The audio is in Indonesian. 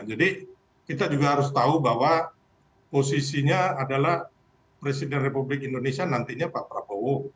jadi kita juga harus tahu bahwa posisinya adalah presiden republik indonesia nantinya pak prabowo